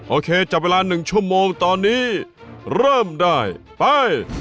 โอเคจับเวลา๑ชั่วโมงตอนนี้เริ่มได้ไป